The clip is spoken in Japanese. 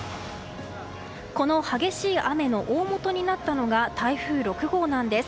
この激しい雨のおおもとになったのが台風６号なんです。